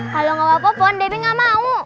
kalau gak mau apapun debi gak mau